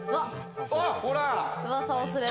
うわさをすれば。